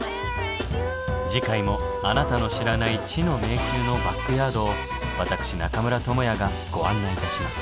次回もあなたの知らない知の迷宮のバックヤードを私中村倫也がご案内いたします。